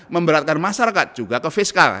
memberatkan masyarakat juga ke fiskal